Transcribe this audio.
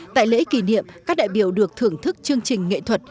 tại lễ kỷ niệm các đại biểu được thưởng thức chương trình nghệ thuật